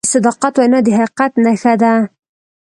د صداقت وینا د حقیقت نښه ده.